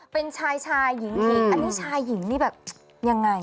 เป็นชายชายหญิงหญิงอันนี้ชายหญิงนี่แบบยังไง